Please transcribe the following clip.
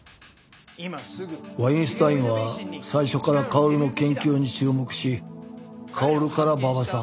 ワインスタインは最初から薫の研究に注目し薫から馬場さん